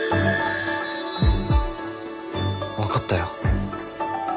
分かったよ。